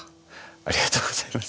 ありがとうございます。